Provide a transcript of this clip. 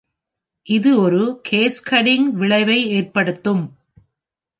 இது ஒரு கேஸ்கடிங் விளைவை ஏற்படுத்தும்.